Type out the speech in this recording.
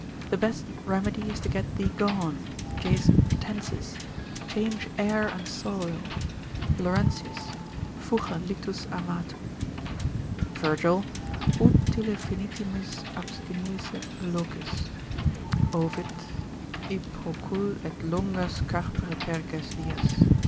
The best remedy is to get thee gone, Jason Pratensis: change air and soil, Laurentius. Fuge littus amatum. Virg. Utile finitimis abstinuisse locis. Ovid. I procul, et longas carpere perge vias.